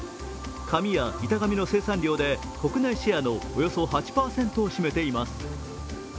紙や板紙の生産量で国内シェアのおよそ８％を占めています。